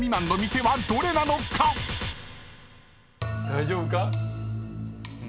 大丈夫か？